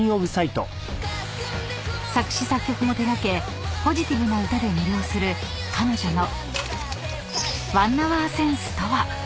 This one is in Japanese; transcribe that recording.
［作詞作曲も手掛けポジティブな歌で魅了する彼女の］